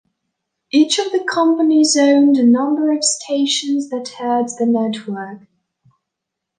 Each of the companies owned a number of stations that aired the network.